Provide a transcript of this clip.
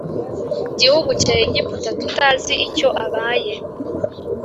gihugu cya Egiputa tutazi icyo abaye